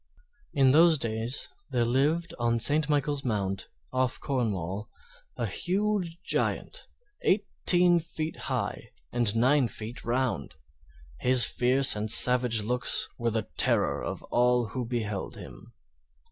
In those days there lived on St. Michael's Mount, off Cornwall, a huge Giant, eighteen feet high and nine feet round; his fierce and savage looks were the terror of all who beheld him.